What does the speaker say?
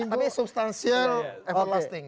tapi substansial everlasting